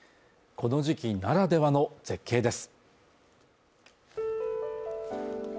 この時期ならではの絶景です